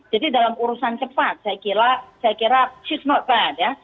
jadi dalam urusan cepat saya kira she's not bad ya